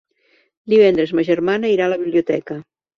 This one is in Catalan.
Divendres ma germana irà a la biblioteca.